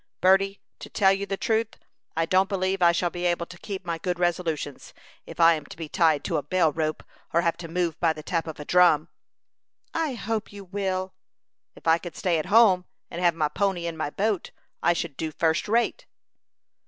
Berty, to tell you the truth, I don't believe I shall be able to keep my good resolutions, if I am to be tied to a bell rope, or have to move by the tap of a drum." "I hope you will." "If I could stay at home, and have my pony and my boat, I should do first rate."